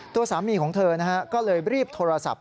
ตัวสามีของเธอก็เลยรีบโทรศัพท์